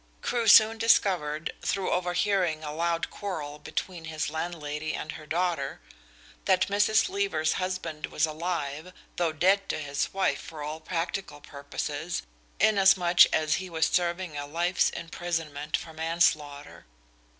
Crewe soon discovered, through overhearing a loud quarrel between his landlady and her daughter, that Mrs. Leaver's husband was alive, though dead to his wife for all practical purposes, inasmuch as he was serving a life's imprisonment for manslaughter.